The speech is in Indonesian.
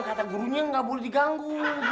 kata gurunya nggak boleh diganggu